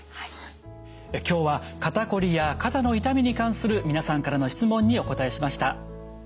今日は肩こりや肩の痛みに関する皆さんからの質問にお答えしました。